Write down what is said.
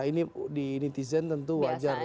ini di netizen tentu wajar